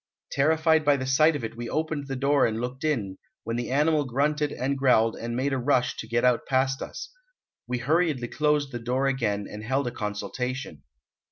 Terrified by the sight of it we opened the door and looked in, when the animal grunted and growled and made a rush to get out past us. We hurriedly closed the door again and held a consultation.